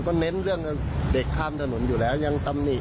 ก็เน้นเรื่องเด็กข้ามถนนอยู่แล้วยังตำหนิ